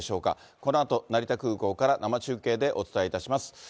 このあと、成田空港から生中継でお伝えします。